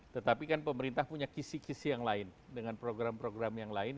tetapi kan pemerintah punya kisi kisi yang lain dengan program program yang lain